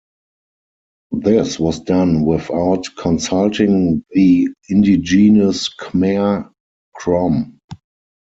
This was done without consulting the indigenous Khmer-Krom.